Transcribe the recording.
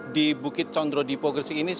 di bukit condro dipo gresik ini sudah